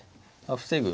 防ぐ